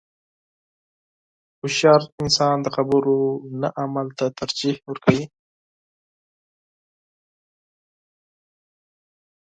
• هوښیار انسان د خبرو نه عمل ته ترجیح ورکوي.